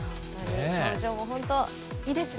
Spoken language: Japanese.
表情も本当、いいですね。